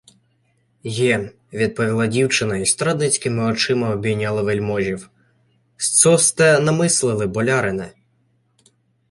— Є, — відповіла дівчина й страдницькими очима обійняла вельможів. — Сцо сте намислили, болярине?